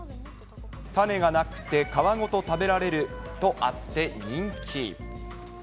種がなくて皮ごと食べられるとあって人気。